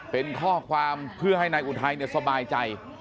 เป็นข้อความเพื่อให้นายอุทัยสบายใจ